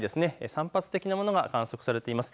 散発的なものが観測されています。